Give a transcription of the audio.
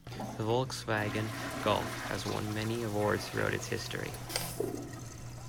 The Volkswagen Golf has won many awards throughout its history.